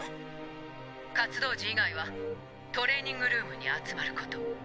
活動時以外はトレーニングルームに集まること」。